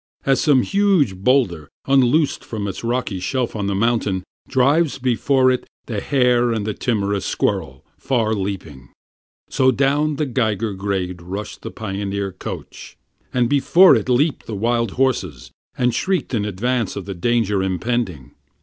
As some huge boulder, unloosed from its rocky shelf on the mountain, Drives before it the hare and the timorous squirrel, far leaping, So down the Geiger Grade rushed the Pioneer coach, and before it Leaped the wild horses, and shrieked in advance of the danger impending.